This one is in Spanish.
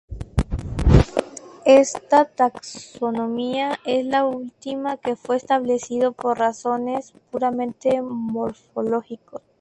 Esta taxonomía es la última que fue establecido por razones puramente morfológicos.